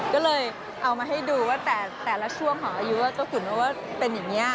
ก็เลยเอามาให้ดูว่าแต่ละช่วงของอายุว่าเจ้าขุนเพราะว่าเป็นอย่างนี้